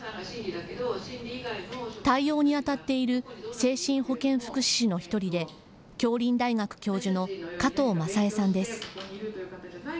対応にあたっている精神保健福祉士の１人で、杏林大学教授の加藤雅江さんです。